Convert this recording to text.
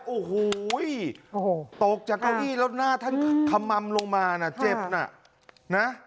โอ้โหตกจากเก้าอี้แล้วหน้าท่านขมัมลงมานะเจ็บน่ะนะ